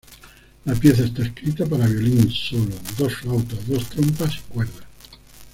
La pieza está escrita para violín solo, dos flautas, dos trompas y cuerdas.